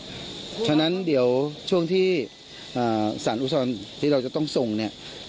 เพราะฉะนั้นเดี๋ยวช่วงที่สารอุทธรณ์ที่เราจะต้องส่งเนี่ย